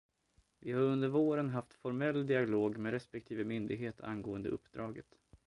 Vi har under våren haft formell dialog med respektive myndighet angående uppdraget.